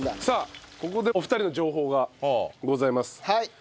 さあここでお二人の情報がございます。